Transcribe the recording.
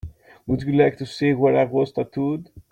Would you like to see where I was tattooed?